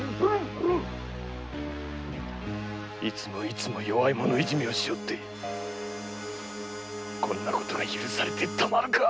いつも弱い者いじめをしおってこんな事が許されてたまるか！